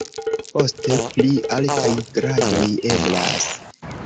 Poste pli altaj gradoj eblas.